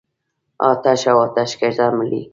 آتش او آتشکده مري.